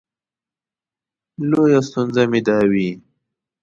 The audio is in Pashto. لویه ستونزه مې دا وي.